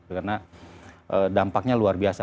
karena dampaknya luar biasa